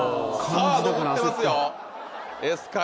さぁ残ってますよ。